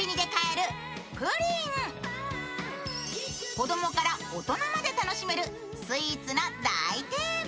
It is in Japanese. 子供から大人まで楽しめるスイーツの大定番